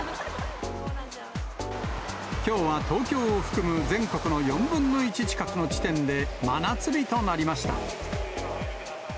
きょうは東京を含む全国の４分の１近くの地点で、真夏日となりました。